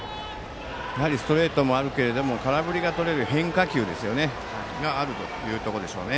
ストレートもあるけれども空振りがとれる変化球があるというところでしょうね。